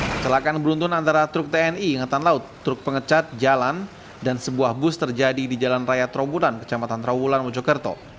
kecelakaan beruntun antara truk tni ingatan laut truk pengecat jalan dan sebuah bus terjadi di jalan raya trawulan kecamatan trawulan mojokerto